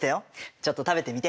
ちょっと食べてみて。